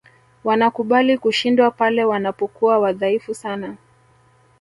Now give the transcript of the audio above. wanakubali kushindwa pale wanapokuwa wadhaifu sana